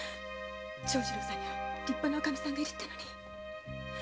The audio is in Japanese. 長次郎さんには立派なおかみさんがいるってのに。